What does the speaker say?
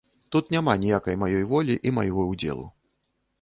Тут няма ніякай маёй волі і майго ўдзелу.